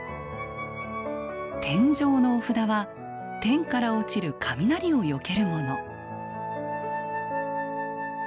天井のお札は天から落ちる雷をよけるもの。